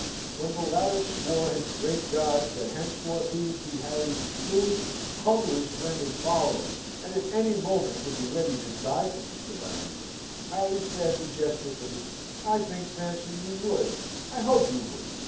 When the latter swore his great gods, that henceforth he would be Harry's truest, humblest friend and follower, and at any moment would be ready to die for Mr. Warrington, Harry said, majestically, "I think, Sampson, you would; I hope you would.